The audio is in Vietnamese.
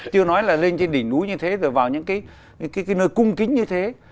chưa nói là lên trên đỉnh núi như thế rồi vào những cái nơi cung kính như thế